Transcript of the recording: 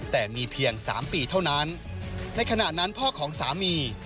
แต่มีเพียง๓ปีเท่านั้นในขณะนั้นพ่อของสามี